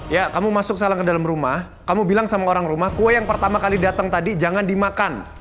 ya kamu masuk salang ke dalam rumah kamu bilang sama orang rumah kue yang pertama kali datang tadi jangan dimakan